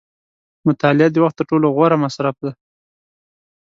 • مطالعه د وخت تر ټولو غوره مصرف دی.